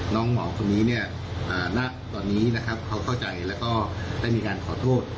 น้องหมอตอนนี้ตอนนี้เขาเข้าใจแล้วก็ได้มีการขอโทษ